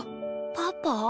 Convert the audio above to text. パパ？